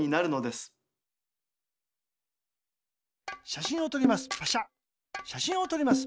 しゃしんをとります。